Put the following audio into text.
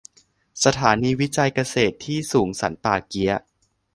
สถานีวิจัยเกษตรที่สูงสันป่าเกี๊ยะ